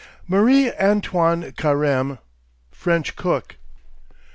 MARIE ANTOINE CARÈME, FRENCH COOK.